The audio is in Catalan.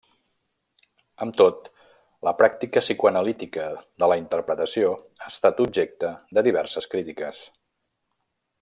Amb tot, la pràctica psicoanalítica de la interpretació ha estat objecte de diverses crítiques.